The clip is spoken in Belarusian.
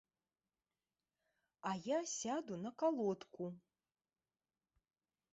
А я сяду на калодку.